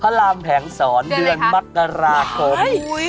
พระรามแผงศรเดือนมักราคม